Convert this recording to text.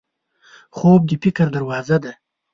خوب د فکر دروازه ده